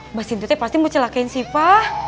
mbak sinti pasti mau celakin syifa